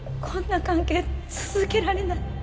こんな関係続けられない。